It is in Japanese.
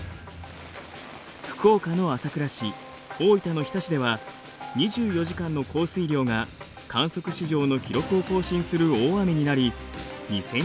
福岡の朝倉市大分の日田市では２４時間の降水量が観測史上の記録を更新する大雨になり２，０００